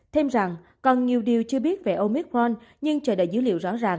thêm rằng còn nhiều điều chưa biết về omicron nhưng trời đại dữ liệu rõ ràng